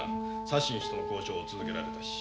サッシン氏との交渉を続けられたし」。